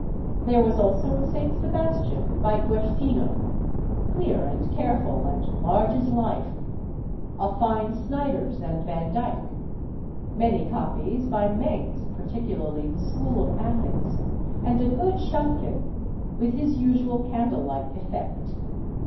There was also a Saint Sebastian, by Guercino, "clear and careful," and large as life; a fine Snyders and Vandyke; many copies by Mengs (particularly "The School of Athens"); and a good Schalcken, with his usual candlelight effect.